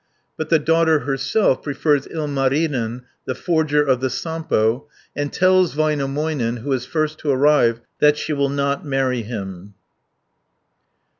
But the daughter herself prefers Ilmarinen, the forger of the Sampo, and tells Väinämöinen, who is first to arrive, that she will not marry him (635 706).